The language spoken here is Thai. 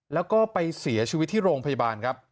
แล้วก็ไปเสียชีวิตที่โรงพยาบาลครับ